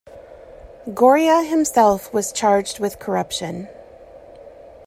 Goria himself was charged with corruption.